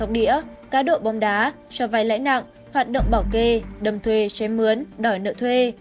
nghĩa cá độ bóng đá cho vai lãnh nặng hoạt động bảo kê đâm thuê chém mướn đòi nợ thuê